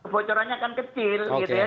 pocorannya akan kecil gitu ya